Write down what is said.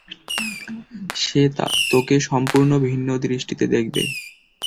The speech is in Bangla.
সে তোকে সম্পূর্ণ ভিন্ন দৃষ্টিতে দেখবে।